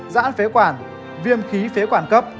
giãn phế quản viêm khí phế quản cấp